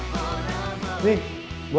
gak usah nanya